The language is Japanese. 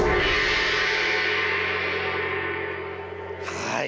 はい。